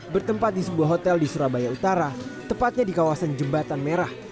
bertempat di sebuah hotel di surabaya utara tepatnya di kawasan jembatan merah